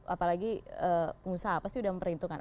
apalagi pengusaha pasti sudah memperhitungkan